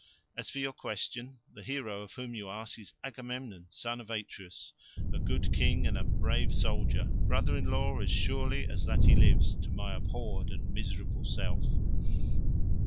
As for your question, the hero of whom you ask is Agamemnon, son of Atreus, a good king and a brave soldier, brother in law as surely as that he lives, to my abhorred and miserable self."